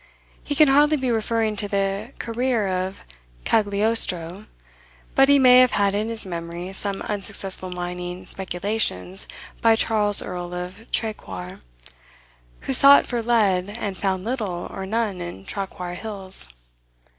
He can hardly be referring to the career of Cagliostro, but he may have had in his memory some unsuccessful mining speculations by Charles Earl of Traquair, who sought for lead and found little or none in Traquair hills.